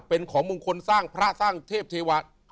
เป็นของมงคลสร้างพระสร้างเทพเทวะ